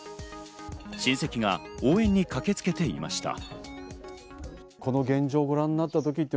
親戚が応援に駆けつけていました。